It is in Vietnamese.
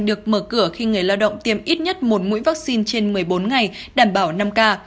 được mở cửa khi người lao động tiêm ít nhất một mũi vaccine trên một mươi bốn ngày đảm bảo năm k